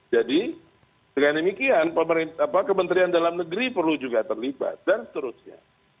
jadi dengan demikian kementerian dalam negeri perlu juga terlibat dan seterusnya